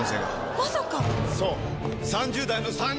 まさか！